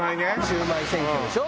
「シュウマイ選挙」でしょ。